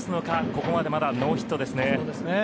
ここまでまだノーヒットですね。